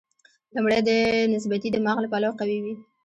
لومړی د نسبتي دماغ له پلوه قوي وي.